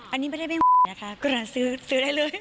อันนี้ไม่ได้เป็นนะคะก็เราซื้อซื้อได้เลย